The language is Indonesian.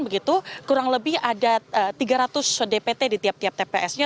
begitu kurang lebih ada tiga ratus dpt di tiap tiap tps nya